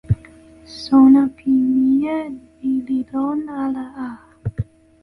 sona pi mije ni li lon ala a.